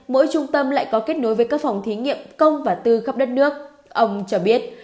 mỗi trung tâm lại có kết nối với các phòng thí nghiệm công và tư khắp đất nước ông cho biết